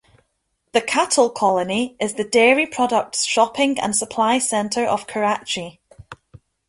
The Cattle Colony is the dairy products shopping and supply centre of Karachi.